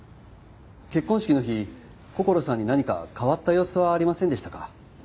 結婚式の日こころさんに何か変わった様子はありませんでしたか？